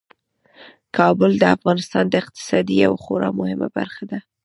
کابل د افغانستان د اقتصاد یوه خورا مهمه برخه ده.